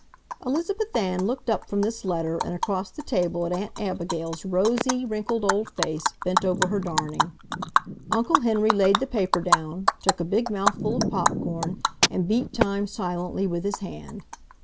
Elizabeth Ann looked up from this letter and across the table at Aunt Abigail's rosy, wrinkled old face, bent over her darning. Uncle Henry laid the paper down, took a big mouthful of pop corn, and beat time silently with his hand.